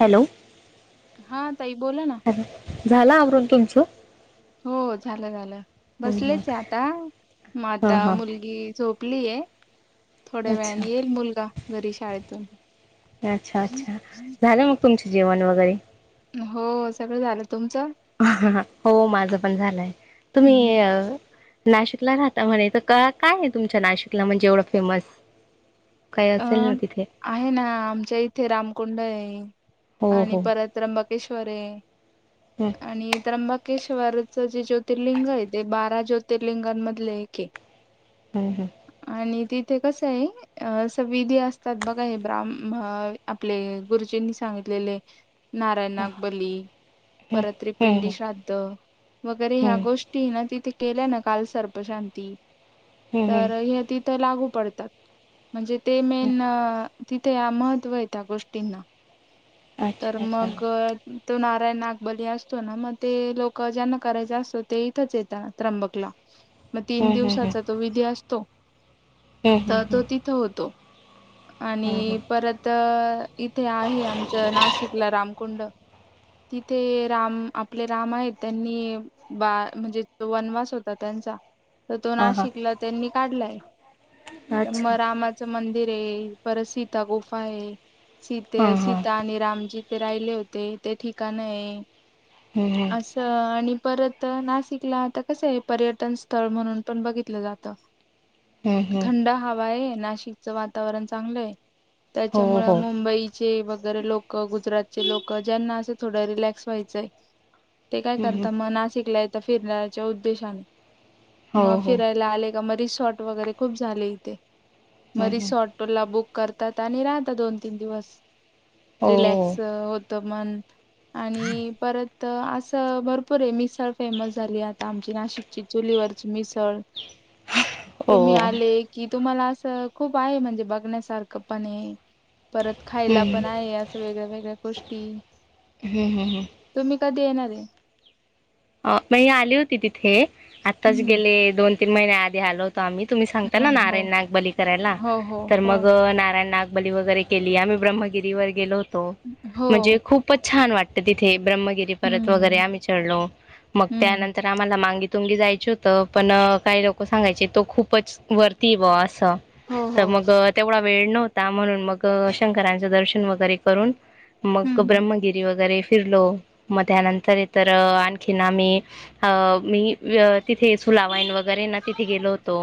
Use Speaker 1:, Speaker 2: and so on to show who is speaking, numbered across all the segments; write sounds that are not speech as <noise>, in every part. Speaker 1: Hello.
Speaker 2: हा ताई बोला ना
Speaker 1: अ झाल आवरून. तुमचं.
Speaker 2: हो झालं झालं.
Speaker 1: हम् हम
Speaker 2: बसलेच आहे आता. म
Speaker 1: हां
Speaker 2: आता
Speaker 1: हां
Speaker 2: मुलगी झोप ली आहे. थोड्या वेळाने येईल मुलगा घरी शाळेतून.
Speaker 1: अच्छा-अच्छा झालं मग. तुमच जेवन वगैरे.
Speaker 2: हो सगळं झालं. तुमचं
Speaker 1: हो माझं पण झालंय तुम्ही
Speaker 2: हम्म.
Speaker 1: नाशिकला राहता म्हणे. तर क काय आहे तुमच्या नाशिकला? म्हणजे एवढं फेमस? काय
Speaker 2: अ
Speaker 1: असेल ना तिथे
Speaker 2: आहे ना आमच्या इथे रामकुंड आहे. ह.
Speaker 1: हो
Speaker 2: आणि
Speaker 1: हो
Speaker 2: परत त्रंबक केशवरे आहे.
Speaker 1: हं
Speaker 2: आणि तर मग केशवरचे ज्योतिर्लिंग आहे. ते बारा ज्योतिर्लिंगांमधले एक आहे.
Speaker 1: हम्म हम्.
Speaker 2: आणि तिथे कसं आहे. आ विधी असतात बघा. हे ब्राहम आपले गुरुजींनी सांगितलेले. नारायणाग बली.
Speaker 1: हं
Speaker 2: परत
Speaker 1: हं
Speaker 2: रिपिंडी श्राद्ध. वगैरे ह्या
Speaker 1: हं
Speaker 2: गोष्टी ना तिथे केल्या ना काल सर्पशांती.
Speaker 1: हं हं
Speaker 2: तर हे तिथं लागू. पडतात म्हणजे ते मेन तिथे या महत्व आहे. त्या गोष्टींना. तर
Speaker 1: अच्छा अच्छा
Speaker 2: मग तो नारायण नागबली असतो ना मग ते लोक ज्यांना करायचं असतं ती लोकं इथंच येतात त्र्यंबकला. म तीन
Speaker 1: हं हं हं
Speaker 2: दिवसाचा तो विधी असतो.
Speaker 1: हं हं
Speaker 2: तर
Speaker 1: हं
Speaker 2: तो तिथं होतो.
Speaker 1: हं
Speaker 2: आणि
Speaker 1: हं
Speaker 2: परत इथे आहे आमचं नाशिकला रामकुंड. तिथे राम आपले राम आहेत त्यांनी बा म्हणजे वनवास होता त्यांचा. तर तो ना
Speaker 1: हां हां
Speaker 2: शिकला त्यांनी काढलाय. म
Speaker 1: अच्छा
Speaker 2: रामा मंदिर आहे परत सीता गुफा आहे.
Speaker 1: हां
Speaker 2: सीते
Speaker 1: हां
Speaker 2: सीता आणि रामजी. ते राहिले होते ते ठिकाण आहे.
Speaker 1: हं हं
Speaker 2: असं आणि परत तर नाशिकला आता कस आहे पर्यटन स्थळ म्हणून पण बघितलं जात.
Speaker 1: हं हं
Speaker 2: थंडा हवा आहे नाशिक वातावरण चांगलंय
Speaker 1: हो
Speaker 2: त्याच्यामुंळे
Speaker 1: हो
Speaker 2: मुंबईचे वगैरे लोक गुजरात लोक ज्यांना असं थोडं रिलॅक्स व्हायचंय ते काय
Speaker 1: हं हं
Speaker 2: करता म नाशिकला ये फिरण्याच्या उद्देशाने
Speaker 1: हो
Speaker 2: मग
Speaker 1: हो
Speaker 2: फिरायला आले का मरी शॉट वगैरे खूप झाले इथे
Speaker 1: हो
Speaker 2: मरीस ऑटोला बुक करतात आणि राहतात दोन तीन दिवस.
Speaker 1: हो
Speaker 2: रिलॅक्स होत. मन आणि परत तर असं भरपूर आहे मिसळ फेमस झाली आता आमची नाशिकची चुलीवरची मिसळ
Speaker 1: हो
Speaker 2: तुम्ही
Speaker 1: हो
Speaker 2: आले की तुम्हाला असं खूप आहे म्हणजे बघण्यासारखं पण हे परत खायला
Speaker 1: हं हं
Speaker 2: पण आहे असं वेगळ्या वेगळ्या गोष्टी <unintelligible>
Speaker 1: हम्म हम् हम्.
Speaker 2: तुम्ही कधी येणार आहे.
Speaker 1: अ मी आली होती तिथे आत्ताच
Speaker 2: हम्म.
Speaker 1: गेले दोन तीन महिने आधी हलत आम्ही तुम्ही सांगता
Speaker 2: हो
Speaker 1: ना
Speaker 2: हो
Speaker 1: नारायण नाग बली करायला
Speaker 2: हो
Speaker 1: <inaudible>
Speaker 2: हो
Speaker 1: तर
Speaker 2: हो.
Speaker 1: मग नारायण नाग बली वैगेरे केली आम्ही ब्रह्मगिरीवर गेलोत हो,
Speaker 2: हो.
Speaker 1: म्हणजे खूपच छान वाटत. तिथे ब्रह्मगिरी परत
Speaker 2: हम्म
Speaker 1: वगैरे आम्ही चढलो. मग
Speaker 2: हम्म.
Speaker 1: त्यानंतर आम्हाला मांगी तुंगी जायच होत पण काही लोकं सांगायचे तो खूपच वरती आहे बस
Speaker 2: हो
Speaker 1: <unintelligible> तर
Speaker 2: हो.
Speaker 1: मग तेवढा वेळ नव्हता ता म्हणून मग शंकरांचं दर्शन वगैरे करून मग
Speaker 2: हम्म हम्म.
Speaker 1: ब्रह्मगिरी वगैरे फिरलो मग त्यानंतर इतर आण थिनामी अ मी तिथे सुलावाईन <inaudible> वगैरे ना तिथे गेलो होतो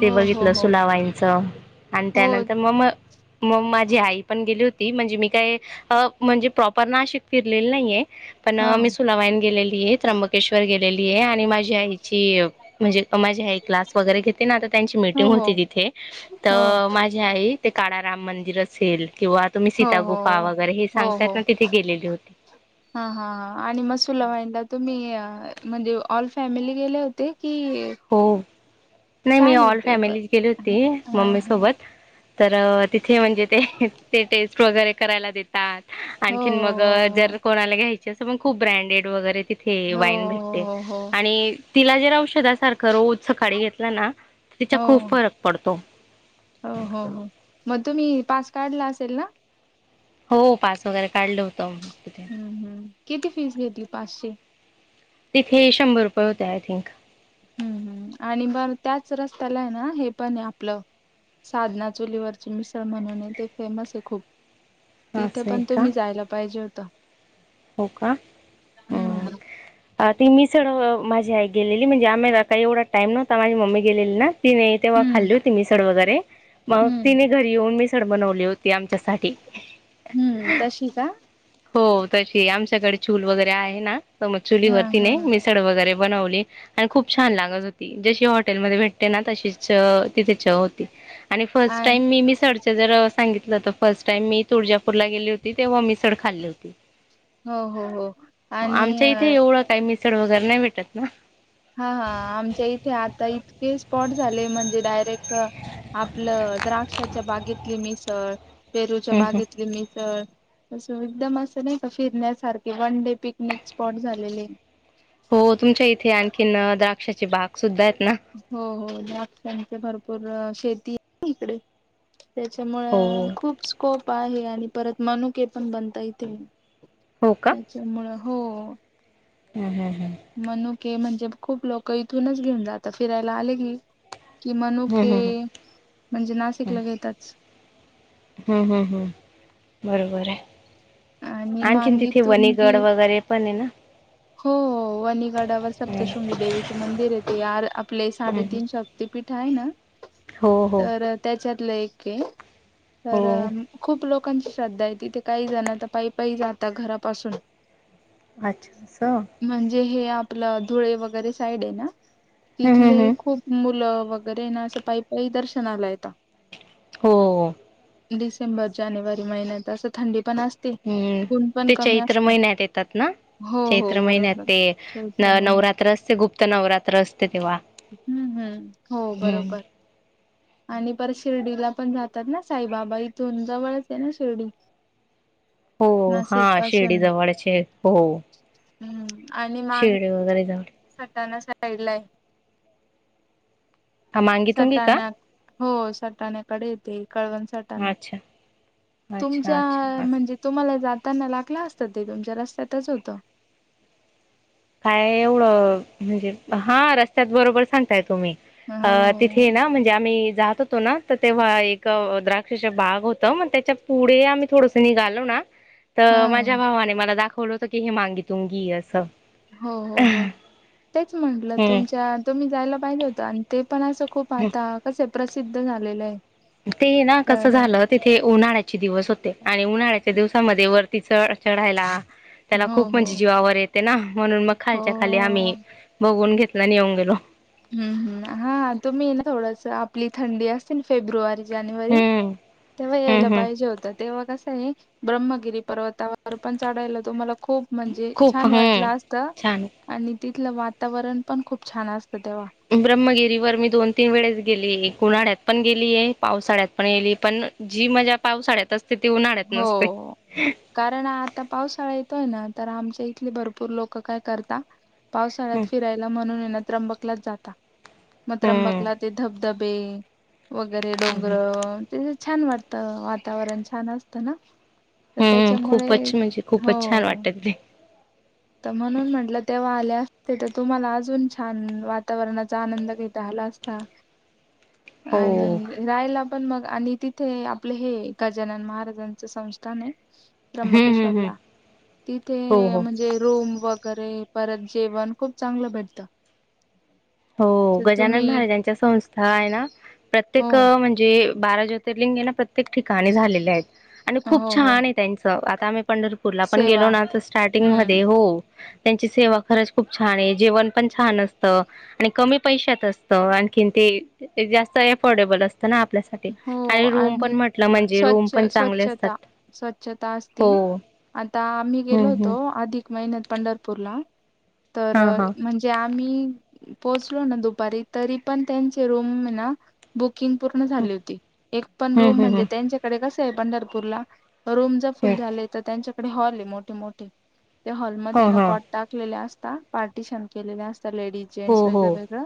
Speaker 1: ते
Speaker 2: हो हो
Speaker 1: बघितलं
Speaker 2: हो
Speaker 1: सुलावाईच <inaudible> आणि
Speaker 2: हो
Speaker 1: त्यानंतर मग म मग माझी आई पण गेली होती म्हणजे मी काय अ म्हणजे प्रॉपर नाशिक फिरलेले नाहीये. पण
Speaker 2: हा
Speaker 1: मी सुलावाईन गेलेली. मी त्र्यंबकेश्वर गेलेली आहे आणि माझी आईची म्हणजे माझी आई क्लास वगैरे घेते ना आता त्यांची
Speaker 2: हो
Speaker 1: मीटिंग
Speaker 2: हो
Speaker 1: होती तिथे
Speaker 2: हो
Speaker 1: तर माझी आई ते काळ राम मंदिर असेल. किंवा तुम्ही
Speaker 2: हो
Speaker 1: सीता गुफा
Speaker 2: -हो-
Speaker 1: वगैरे हे
Speaker 2: हो
Speaker 1: सांगतात
Speaker 2: -हो -हो
Speaker 1: ना तिथे गेलेली होती.
Speaker 2: -हा- हा- ह आणि मसूला वाईन दा तुम्ही म्हणजे ऑल फॅमिली गेले होते? की
Speaker 1: हो. नाही मी
Speaker 2: छान
Speaker 1: ऑल
Speaker 2: येते ब
Speaker 1: फॅमिली गेली
Speaker 2: हा
Speaker 1: होती मम्मी
Speaker 2: हा
Speaker 1: सोबत. तर तिथे म्हणजे ते <inaudible> ते टेस्ट वगैरे करायला देतात.
Speaker 2: हो
Speaker 1: आणखीन मग जर कोणाला घ्यायच <unintelligible> असं मग खूप ब्रँडेड वगैर. तिथे
Speaker 2: हो
Speaker 1: वाईन भेट्टते
Speaker 2: हो हो
Speaker 1: आणि तिला जर औषध अस <unintelligible> तर रोज सकाळी घेतला ना तिच्या
Speaker 2: हो हो
Speaker 1: खूप फरक पडतो.
Speaker 2: हो -हो- हो मग तुम्ही पास काढला असेल ना?
Speaker 1: हो. पास वगैरे काढलं होता मग तिथे.
Speaker 2: हम्म हम्म किती फीस घेतली पाचशे?
Speaker 1: तिथे शंभर रुपये होते आय थिंक.
Speaker 2: हम्म हम् आणि बर त्याच रस्त्याला आहे ना हे पण आहे आपलं साधना चोलीवरची मिसळ म्हणून आहे ते फेमस आहे खूप. तिथे
Speaker 1: असं आहे
Speaker 2: पण
Speaker 1: का
Speaker 2: तुम्ही जायला पाहिजे होतं.
Speaker 1: हो का
Speaker 2: <unintelligible> हम्म.
Speaker 1: अ ती मिसळ माझी आई गेलेली म्हणजे आम्हाला काही एवढा टाईम नव्हता माझी मम्मी गेलेली ना. तीने तेव्हा
Speaker 2: हम्म
Speaker 1: खाल्ली होती मिसड वगैरे. मग
Speaker 2: हम्म
Speaker 1: तिने घरी येऊन मी सड बनवली होती आमच्यासाठी.
Speaker 2: हम्म तशी का?
Speaker 1: हो आमच्याकडे चूल वगैरे आहे ना तर मग
Speaker 2: हा
Speaker 1: चुलीवरती
Speaker 2: हा
Speaker 1: नाही मिसड वगैर वैगरे बनवली आणि खूप छान लागत होती जशी हॉटेल मध्ये भेटते ना तशीच तिथ चव होती. आणि फर्स्ट
Speaker 2: आणि
Speaker 1: टाइम मी मिसड जर सांगितलं तर फर्स्ट टाइम मी तुळजापूरला गेली होती तेव्हा मिसड खाल्ली होती
Speaker 2: हो हो हो आणि अ
Speaker 1: सड वगैर नाही भेटत ना
Speaker 2: हा हा आमच्या इथे आता इतके स्पॉट झाले म्हणजे डायरेक्ट आपलं द्राक्षाच्या बागेतली मिसळ पेरूच्या
Speaker 1: हम्म हम्म.
Speaker 2: बागेतली मिसळ अस एकदम असं नाही का फिरण्यासारखे वन डे पिकनिक स्पॉट झालेले
Speaker 1: हो तुमच्या इथे आणखीन द्राक्षाचे बाग सुद्धा आहेत ना
Speaker 2: हो हो द्राक्षांचे भरपूर शेती ती इकडे
Speaker 1: हो
Speaker 2: त्याच्यामुळं खूप स्कोप आहे आणि परत मनुके पण बनता येथे त्याच्यामुळं
Speaker 1: हम हम
Speaker 2: मनु के म्हणजे खूप लोक इथूनच घेऊन जात फिरायला आले की कि
Speaker 1: हम्म
Speaker 2: मनुके
Speaker 1: हम्
Speaker 2: हे म्हणजे
Speaker 1: हम्
Speaker 2: नाशिकला घेताच
Speaker 1: हम्म हम्म हम्म बरोबर आहे
Speaker 2: आणि
Speaker 1: आणखीन
Speaker 2: मांगी
Speaker 1: तिथे वनीगड
Speaker 2: तुंगी
Speaker 1: वगैरे पण आहे ना
Speaker 2: हो वणीगडावर
Speaker 1: हम्म
Speaker 2: सप्तशृंगी देवीच मंदिर येत या आपले
Speaker 1: हम्म
Speaker 2: साडेतीन शक्ती पीठ ठ आहे ना
Speaker 1: हो हो
Speaker 2: तर त्याच्यात एक हे.
Speaker 1: हो
Speaker 2: तर खूप लोक. लोकांची श्रद्धा आहे, तिथे काही जण तर पायी पायी जातात घरापासून.
Speaker 1: अच्छा. अस हम्म
Speaker 2: म्हणजे हे आप पलं धुळे वगैरे साईड हे ना
Speaker 1: हम्म
Speaker 2: तिथले
Speaker 1: हम्म
Speaker 2: खूप मुलं वगैरे ना असं पायी पायी दर्शनाला येता
Speaker 1: हो!
Speaker 2: डिसेंबर, जानेवारी, महिन्यात असं थंडी पण असते
Speaker 1: हूं
Speaker 2: ऊन पण
Speaker 1: ते
Speaker 2: कमी
Speaker 1: चैत्र
Speaker 2: असत
Speaker 1: महिन्यात येतात ना.
Speaker 2: हो हो
Speaker 1: चैत्र महिन्यात
Speaker 2: बरोबर
Speaker 1: ते न
Speaker 2: चैत्र महिन्यात
Speaker 1: नवरात्र असते गुप्त नवरात्र असते तेव्हा
Speaker 2: हम्म हम्म हो
Speaker 1: हूं.
Speaker 2: र्डीला पण जातात ना साईबाबा इथून जवळच हे ना शिर्डी.
Speaker 1: हो हा
Speaker 2: नाशिक
Speaker 1: शिर्डी जवळचये हो.
Speaker 2: हूं! आणि मांगी
Speaker 1: शिर्डी
Speaker 2: तुंगी
Speaker 1: वगैरे जवळ
Speaker 2: सटाणा साईड लाय
Speaker 1: हा मांगी तुंगी का?
Speaker 2: हो सटाण्याकडे येते कळवण साटणा
Speaker 1: अच्छा अच्छा
Speaker 2: तुमच्या
Speaker 1: अच्छा असं.
Speaker 2: म्हणजे तुम्हाला जात त्यांना लागला असत ते तुमच्या रस्त्यातच होत <inaudible>
Speaker 1: काय एवढं म्हणजे हा रस्त्यात बरोबर सांगतायेत. अ तिथे
Speaker 2: हो
Speaker 1: ना म्हणजे आम्ही जात होतो ना तर तेव्हा एक द्राक्षाचा बाग होत, मग त्याच्या पुढे आम्ही थोडंस निघालो ना त
Speaker 2: हा
Speaker 1: माझ्या भावाने मला दाखव बोलो होतो की हे मांगी तुंगी असं
Speaker 2: हो हो हो, तेच म्हटलं
Speaker 1: हम्म.
Speaker 2: तुमच्या तुम्ही जायला पाहिजे होतं आणि ते. पण असं खूप आता कसं प्र सिद्ध झालेलं आहे.
Speaker 1: ते ना कसं
Speaker 2: तर
Speaker 1: झालं तिथे उन्हाळ्याचे दिवस हो- आणि उन्हाळ्याच्या दिवसामध्ये वरती चढ चढायला त्याला
Speaker 2: हो
Speaker 1: खूप
Speaker 2: हो
Speaker 1: म्हणजे जीवावर येत ते ना म्हणून मग
Speaker 2: हो
Speaker 1: खालच्या खाली
Speaker 2: हो
Speaker 1: आम्ही बघून घेत नाही नाहीवंगेल
Speaker 2: हम् हम्म हा तुम्ही ना थोडस आपली थंडी असते ना फेब्रुवारी जानेवारी
Speaker 1: हम्म
Speaker 2: तेव्हा यायला
Speaker 1: हम्म हम्म
Speaker 2: पाहिजे होत तेव्हा कस ब्रह्मगिरी पर्वतावर पण चढायला तुम्हाला खूप म्हणजे
Speaker 1: खूप
Speaker 2: छान वाटलं
Speaker 1: हम्म
Speaker 2: असत
Speaker 1: छान
Speaker 2: आणि तिथलं वातावरण पण खूप छान असत
Speaker 1: ब्रह्मगिरी वर मी दोन तीन वेळेच गेली उन्हाळ्यात पण गेलीय पावसाळ्यात पण गेली पण जी मजा पावसाळ्यातच
Speaker 2: हो कारण आता पावसाळा येतोय ना तर आमच्या इथले भरपूर लोक काय करत पावसाळ्यात
Speaker 1: हम्म
Speaker 2: फिरायला म्हणून ये त्रंबकलाच जाता म
Speaker 1: हम्म
Speaker 2: त्रंबकला ते धब- दबे. वगैरे डोंगर
Speaker 1: हम्म
Speaker 2: ते छान वाटतं वातावरण छान असत. ता ना? तर
Speaker 1: हम्म
Speaker 2: त्याच्यामुळे
Speaker 1: खूपच म्हणजे
Speaker 2: हो
Speaker 1: खूपच छान वाटत ते.
Speaker 2: तर म्हणून म्हटलं तेव्हा आले असते तर तुम्हाला अजून छान वातावरणाचा आनंद घता आला असता.
Speaker 1: हो
Speaker 2: आणि रायला पण मग आणि तिथे आपलं हे गजानन महाराजांचं संस्थान आहे.
Speaker 1: हम्म हम्म हम्म
Speaker 2: त्र्यंबकेश्वरला तिथे
Speaker 1: हो हो
Speaker 2: म्हणजे वगैरे परत जेवण खूप चांगलं भेटत.
Speaker 1: हो गजानन महाराजांच्या संस्था आहे ना?
Speaker 2: हो
Speaker 1: प्रत्येक म्हणजे बारा ज्योतिर्लिंग हे नाना प्रत्येक ठिकाणी झालेले आहेत. आणि खूप
Speaker 2: हो हो
Speaker 1: छान आहे त्यांच आता आम्ही पंढरपूरला पण
Speaker 2: सेवा
Speaker 1: गेलो ना तर स्टार्टिंग
Speaker 2: हम्म
Speaker 1: मध्ये हो. त्यांची सेवा खरच खूप छान आहे जेवण पण छान असतं. आणि कमी पैशात असत आणखी ते जास्त अफोर्डेबल असत.
Speaker 2: हो आणि
Speaker 1: म्हणजे रूम
Speaker 2: स्व्छ
Speaker 1: पण चांगले असतात.
Speaker 2: स्वच्छता स्वच्छता
Speaker 1: हो
Speaker 2: असती आता आम्ही
Speaker 1: हम्म
Speaker 2: गेलो
Speaker 1: हम्म
Speaker 2: होतो अधिक महिन्यात. पंढरपूरला. तर
Speaker 1: हा हा
Speaker 2: म्हणजे आम मी पोहोचलो ना दुपारी तरी पण त्यांचे रूमे ना रूम बुक. किंग पूर्ण झाली होती, एक पण
Speaker 1: हम्म
Speaker 2: रूम
Speaker 1: हम्म
Speaker 2: म्हणजे
Speaker 1: हम्म
Speaker 2: त्यांच्याकडे कसय पंढरपूरला. रूम जर फुल
Speaker 1: ह
Speaker 2: झाले तर त्यांच्या इकडे हॉल आहे मोठी मोठी. त्या हॉलमध्येध्ये ना
Speaker 1: ह
Speaker 2: कॉट टाकलेले असत. पार्टीशन केलेले अस लेडीज
Speaker 1: हो हो
Speaker 2: जेंट्स
Speaker 1: हो हो
Speaker 2: वेगळ वेगळं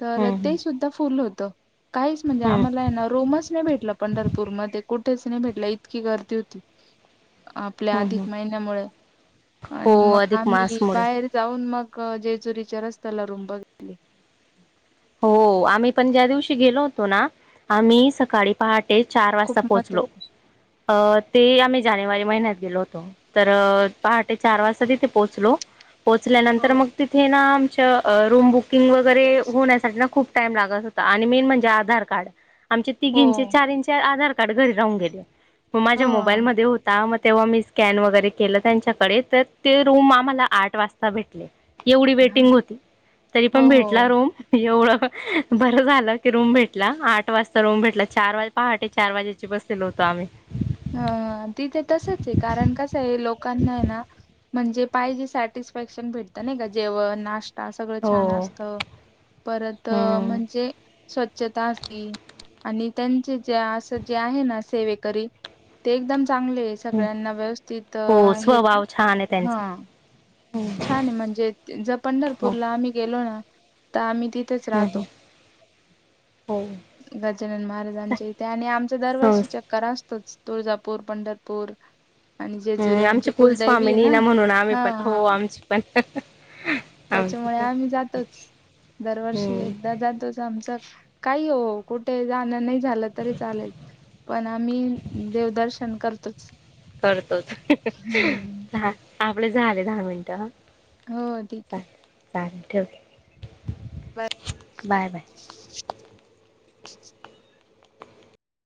Speaker 2: तर
Speaker 1: हम्म
Speaker 2: ते
Speaker 1: हम्म
Speaker 2: सुद्धा फुल होत. होतं काही मला
Speaker 1: हम्म
Speaker 2: आहे ना रोमच नाही भेटला पंढरपूर मध्ये. कुठेच नाही भेटला इतकी गर्दी होती. आपल्या अधिक
Speaker 1: हम्म
Speaker 2: महिन्यामुळे आणि
Speaker 1: हो
Speaker 2: मग
Speaker 1: अधिक
Speaker 2: आम्ही
Speaker 1: मासमुळे
Speaker 2: बाहेर जाऊन मग. जेजुरीच्या रस्त्याला रूम बघली.
Speaker 1: हो आम्ही पण ज्या दिवशी गेलो होतो ना आम्ही सकाळी पहाट ते चार वाजता
Speaker 2: खूप महत्व
Speaker 1: पोहोचलो. अ ते आम्ही जानेवारी महिन्यात गेलो होतो तर तर पहाटे चार वाजता त ते पोहोचलो.
Speaker 2: हो
Speaker 1: पोचल्यानंतर मग तिथे ना रूम बुकिंग वगैरे होण्यासाठी खूप टाम लागत होता आणि मेन म्हणजे आधार कार्ड. आमचे
Speaker 2: हो
Speaker 1: तिघींचे चारंचे आधार काड घरी राहून गेले. मग माझ्या
Speaker 2: हो
Speaker 1: मोबाईलमध्ये होता म तेव्हा मी स्कॅन वगैरे केलं त्यांच्याकडे तर ते रूम आम्हाला आठ वाजता भेटले. एवढी वेटिंग होती तरी
Speaker 2: हो
Speaker 1: पण
Speaker 2: हो.
Speaker 1: भेटला रोम एवढं. बरं झालं की रूम भेटला आठ वाजता रूम भेटला चार वाज पहाटे चार वाजेची बसलेलो होतो आम्ही.
Speaker 2: अ तिथ तसचे. कारण कसं आहे लोकांना आहे ना म्हणजे पाहिजे सॅटिस्फॅक्शन भेटत नाही का जेव्हा नाश् सगळं छान
Speaker 1: हो
Speaker 2: असत परत
Speaker 1: हम्म
Speaker 2: म्हणजे स्वच्छता असली आणि त्यांचे जे असं जे आहे ना सेवेकरी. ते एकदम चांगले सगळ्यांना व्यवस्थित
Speaker 1: हो
Speaker 2: हे
Speaker 1: स्वभाव छान आहे त्यांचा
Speaker 2: हा. छान आहे म्हणजे ज
Speaker 1: हो
Speaker 2: पंढरपूरला आम्ही गेलो ना. त आम्ही. तिथेच
Speaker 1: हम्म
Speaker 2: राहतो
Speaker 1: हो
Speaker 2: गजानन महाराजांच्या इथे आणि आमचं दरवर्षी
Speaker 1: संस्
Speaker 2: चक्कर अस तोच तुळजापूर पंढरपूर. आणि जेजुरी
Speaker 1: हम्म आमची
Speaker 2: आमचे कुलदैवी आहे ना
Speaker 1: कुलस्वामीनीना म्हणून आम्ही
Speaker 2: हा
Speaker 1: पण हो
Speaker 2: हा
Speaker 1: आमची पण. आमची
Speaker 2: त्याच्यामुळे
Speaker 1: पण
Speaker 2: आम्ही जातोच दरवर्षी
Speaker 1: हम्म
Speaker 2: एकदा जातोच आमचा काही हो कुठे जाणं नाही झालं तरी चालेल पण आम्ही देवदर्शन कर तोच.
Speaker 1: करतोच <unintelligible> आपले झाले दहा मिनिटं.
Speaker 2: हो ठीक आहे.
Speaker 1: चालेल चालेल ठेवते. Bye bye.